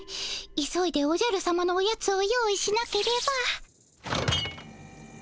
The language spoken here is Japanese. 急いでおじゃるさまのおやつを用意しなければ。